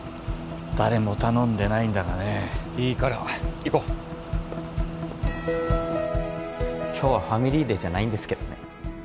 誰も頼んでないんだがねいいから行こう今日はファミリーデーじゃないんですけどね